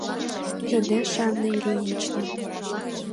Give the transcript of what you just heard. — йодеш Анна Ильинична.